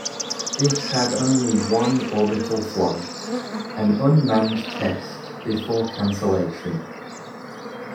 It had only one orbital flight, an unmanned test, before cancellation.